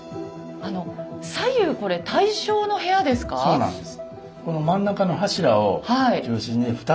そうなんです。